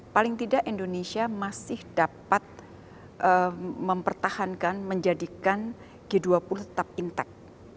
paling tidak indonesia masih dapat mempertahankan menjadikan g dua puluh tetap impact